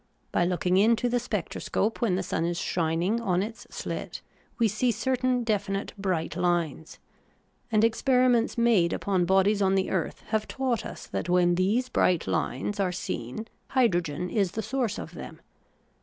By looking into the spectroscope when the sun is shining on its sht, we see certain definite bright hues : and experiments made upon bodies on the earth have taught us that when these bright hnes are seen hydrogen is the source of them.